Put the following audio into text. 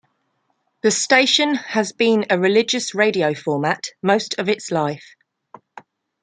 The station has been a religious radio format most of its life.